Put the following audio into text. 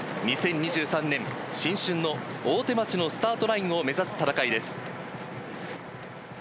２０２３年新春の大手町のスタートラインを目指す戦いです。